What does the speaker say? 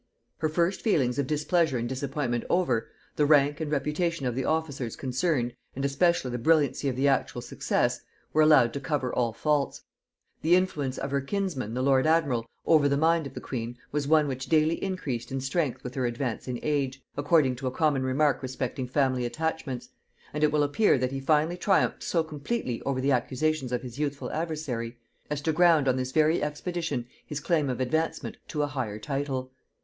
Her first feelings of displeasure and disappointment over, the rank and reputation of the officers concerned, and especially the brilliancy of the actual success, were allowed to cover all faults. The influence of her kinsman the lord admiral over the mind of the queen was one which daily increased in strength with her advance in age, according to a common remark respecting family attachments; and it will appear that he finally triumphed so completely over the accusations of his youthful adversary, as to ground on this very expedition his claim of advancement to a higher title.